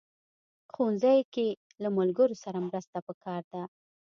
ښوونځی کې له ملګرو سره مرسته پکار ده